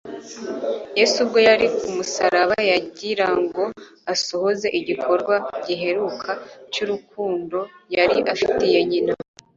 Yesu ubwo yari ku musaraba kugira ngo asohoze igikorwa giheruka cy'urukurudo yari afitiye nyina,